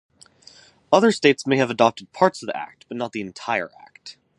Other states may have adopted parts of the Act, but not the entire Act.